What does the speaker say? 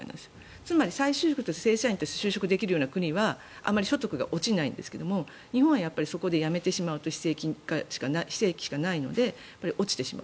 つまり、再就職、正社員として再就職できるような国はあまり所得が落ちないんですが日本はそこで辞めてしまうと非正規しかないので落ちてしまう。